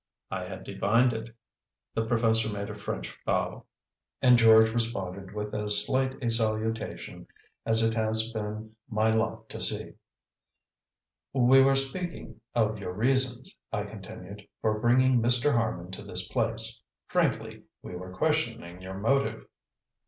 "I had divined it." The professor made a French bow, and George responded with as slight a salutation as it has been my lot to see. "We were speaking of your reasons," I continued, "for bringing Mr. Harman to this place. Frankly, we were questioning your motive."